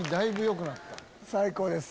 最高です。